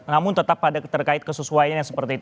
namun tetap ada keputusan